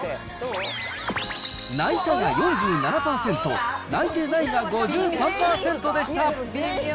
泣いたが４７％、泣いてないが５３％でした。